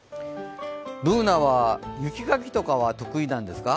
Ｂｏｏｎａは雪かきとかは得意なんですか？